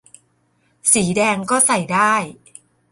สีแดงก็ใส่ได้